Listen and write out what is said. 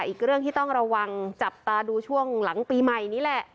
อีกเรื่องที่ต้องระวังจับตาดูช่วงหลังปีใหม่นี่แหละ